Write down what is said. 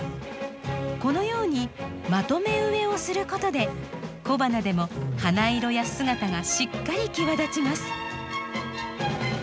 このようにまとめ植えをすることで小花でも花色や姿がしっかり際立ちます。